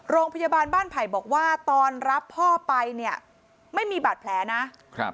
โรงพยาบาลบ้านไผ่บอกว่าตอนรับพ่อไปเนี่ยไม่มีบาดแผลนะครับ